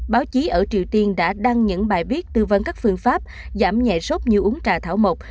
báo chí ở triều tiên đã đăng những bài viết tư vấn các phương pháp giảm nhẹ sốc như uống trà thảo mộc